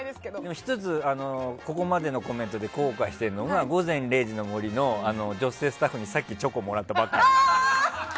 １つ、ここまでのコメントで後悔しているのが「午前０時の森」の女性スタッフにさっきチョコもらったばっかり。